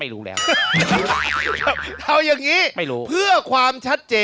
ฮือ